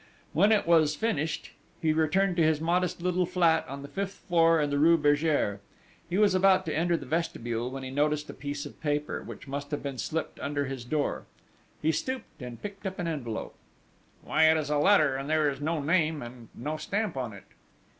When it was finished he returned to his modest little flat on the fifth floor in the rue Bergere. He was about to enter the vestibule, when he noticed a piece of paper, which must have been slipped under his door. He stooped and picked up an envelope: "Why, it is a letter and there is no name and no stamp on it!"